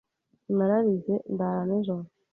Nararize ndara nijoro.